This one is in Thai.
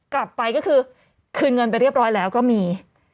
กลับไปก็คือคืนเงินไปเรียบร้อยแล้วก็มี